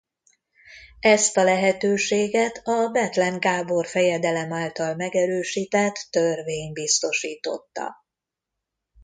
Ezt a lehetőséget a Bethlen Gábor fejedelem által megerősített törvény biztosította.